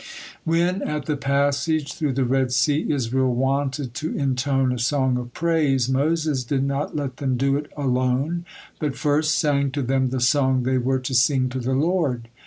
When, at the passage through the Red Sea, Israel wanted to intone a song of praise, Moses did not let them do it alone, but first sang to them the song they were to sing to the Lord.